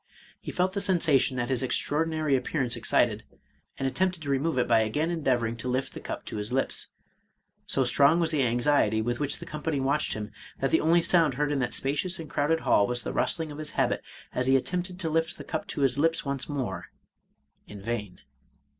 He felt the sensation that his extraordinary appearance excited, and attempted to remove it by again endeavoring to lift the cup to his lips. So strong was the anxiety with which the company watched him, that the only sound heard in that spacious and crowded hall was the rustling of his habit as he attempted to lift the cup to his lips once more — ^in vain.